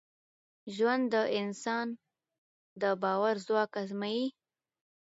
ژوند د انسان د باور ځواک ازمېيي.